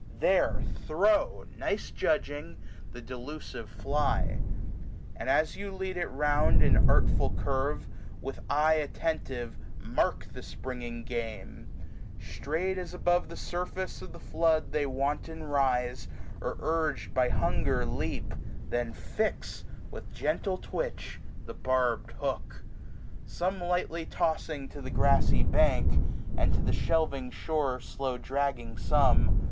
There throw, nice judging, the delusive fly ; 405 And as you lead it round in artful curve. With eye attentive mark the springing game. SPRING* 17 Strait as above the surface of the flood They wanton rise, or urg'd by hunger leap> Then fix, with gentle twitch, the barbed hook : 410 Some lightly tossing to the grassy bank. And to the shelving shore slow dragging some.